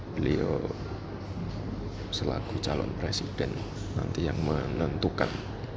beliau selaku calon presiden nanti yang menentukan